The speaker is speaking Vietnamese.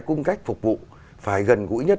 cung cách phục vụ phải gần gũi nhất